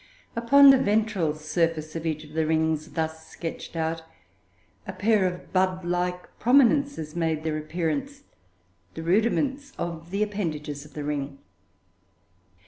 Upon the ventral surface of each of the rings thus sketched out, a pair of bud like prominences made their appearance the rudiments of the appendages of the ring.